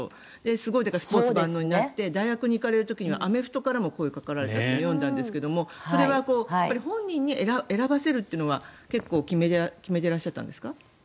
すごく、だからスポーツ万能になって大学に行かれる時にはアメフトからも声がかかったって読んだんですがそれは本人に選ばせるのは結構決めていらっしゃったんですか？